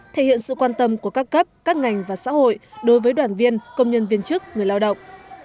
thể hiện sự quan tâm của các cấp các ngành và xã hội đối với đoàn viên công nhân viên chức người lao động